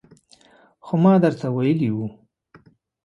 خو ما درته ویلي وو